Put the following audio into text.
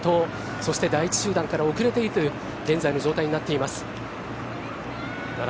そして第１集団から遅れているという現在の状態になっています。